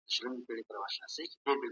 استعمار پر اسیا او افغانستان.